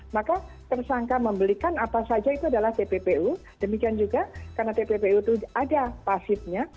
maka tersangka membelikan apa saja itu adalah tppu demikian juga karena tppu itu ada pasifnya